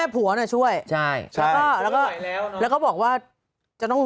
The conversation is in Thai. พ่อแม่สามีด้วยนะ